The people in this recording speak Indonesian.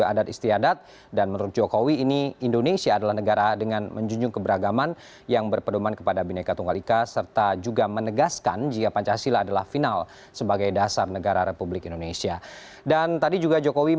assalamualaikum warahmatullahi wabarakatuh